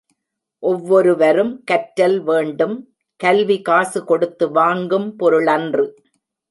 ஒவ்வொரு வரும் கற்றல் வேண்டும். கல்வி காசு கொடுத்து வாங்கும் பொருளன்று.